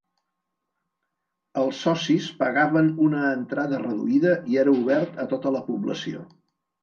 Els socis pagaven una entrada reduïda i era obert a tota la població.